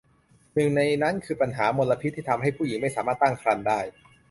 หนึ่งในนั้นคือปัญหามลพิษที่ทำให้ผู้หญิงไม่สามารถตั้งครรภ์ได้